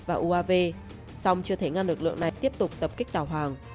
av xong chưa thể ngăn lực lượng này tiếp tục tập kích tàu hàng